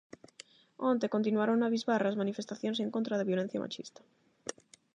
Onte continuaron na bisbarra as manifestacións en contra da violencia machista.